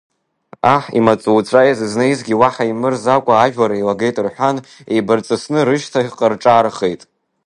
Аҳ имаҵуцәа изызнеизгьы уаҳа имырзакәа, ажәлар еилагеит рҳәан, еибарҵысны рышьҭахьҟа рҿаархеит.